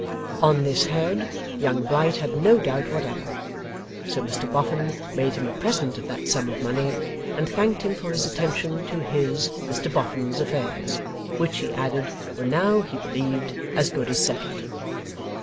On this head, young Blight had no doubt whatever, so Mr Boffin made him a present of that sum of money, and thanked him for his attention to his (Mr Boffin's) affairs; which, he added, were now, he believed, as good as settled.